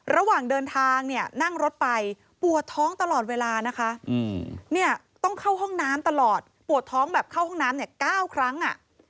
ระหว่างเดินทางเนี่ยนั่งรถไปปวดท้องตลอดเวลานะคะเนี่ยต้องเข้าห้องน้ำตลอดปวดท้องแบบเข้าห้องน้ำเนี่ย๙ครั้ง